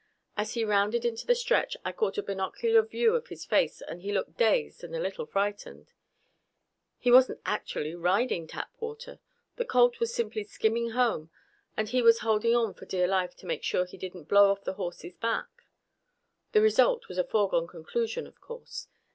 As he rounded into the stretch I caught a binocular view of his face, and he looked dazed and a little frightened. He wasn't actually riding Tapwater. The colt was simply skimming home, and he was holding on for dear life to make sure he didn't blow off the horse's back. The result was a foregone conclusion, of course.